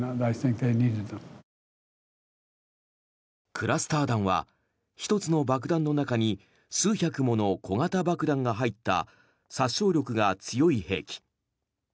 クラスター弾は１つの爆弾の中に数百もの小型爆弾が入った殺傷力が強い兵器。